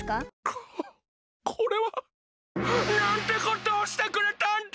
ここれは。なんてことをしてくれたんだ！